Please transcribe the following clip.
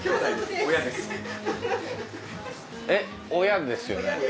えっ親ですよね？